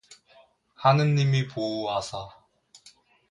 하느님이 보우하사